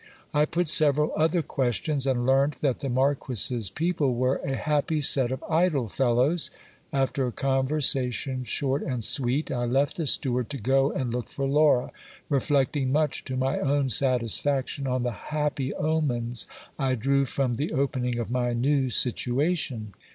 I put several other questions, and learnt that the Marquis's people were a happy set of idle fellows. After a conversation short and sweet, I left the steward to go and look for Laura, re flecting much to my own satisfaction on the happy omens I drew from the open ing of my new situation.